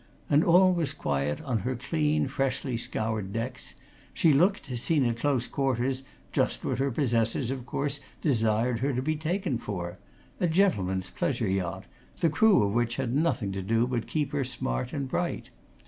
And all was quiet on her clean, freshly scoured decks she looked, seen at close quarters, just what her possessors, of course, desired her to be taken for a gentleman's pleasure yacht, the crew of which had nothing to do but keep her smart and bright.